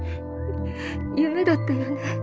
夢だったよね。